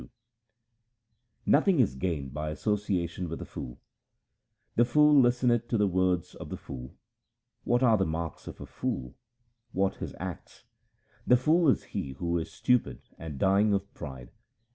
HYMNS OF GURU AMAR DAS 235 Nothing is gained by association with a fool :— The fool listeneth to the words of the fool. What are the marks of a fool ? What his acts ? The fool is he who is stupid and dying of pride.